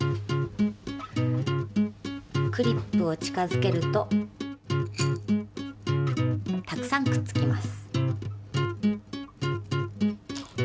クリップを近づけるとたくさんくっつきます。